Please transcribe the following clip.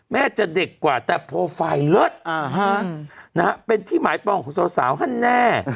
แม่จะเด็กกว่าแต่โปรไฟล์เลิศเป็นที่หมายปองของสาวฮันแน่